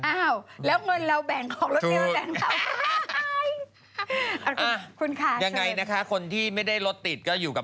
แล้วก็เราจะแบ่งของรถรววแต่อยู่กับ